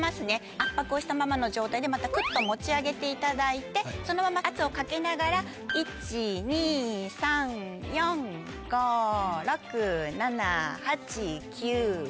圧迫をしたままの状態でまたくっと持ち上げていただいてそのまま圧をかけながら１・２・３・４・５６・７・８・９・１０。